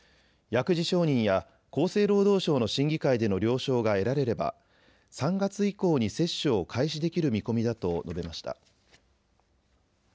薬事承認や厚生労働省の審議会での了承が得られれば３月以降に接種を開始できる見込みだと述べました。